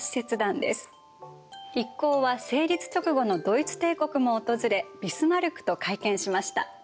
一行は成立直後のドイツ帝国も訪れビスマルクと会見しました。